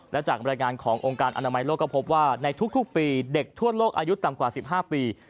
และจากบรรยายงานขององค์การอนามัยโลกก็พบว่าในทุกปีเด็กทั่วโลกอายุต่ำกว่า๑๕ปี